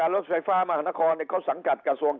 รอไฟเพื่อรอ